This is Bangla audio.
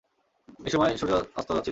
এ সময় সূর্য অস্ত যাচ্ছিল।